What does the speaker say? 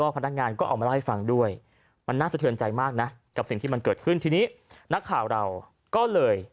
ภาษาอีสานภาษาอีสาน